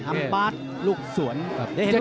อัมบาสลูกสวนได้เห็นว่าลูกสวนทำสวนหรือเปล่า